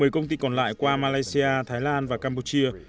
một mươi công ty còn lại qua malaysia thái lan và campuchia